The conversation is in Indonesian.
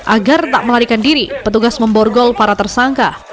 agar tak melarikan diri petugas memborgol para tersangka